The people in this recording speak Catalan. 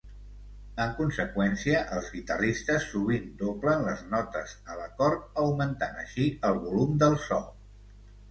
En conseqüència, els guitarristes sovint doblen les notes a l'acord, augmentant així el volum del so.